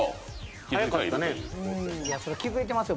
気付いてますよ。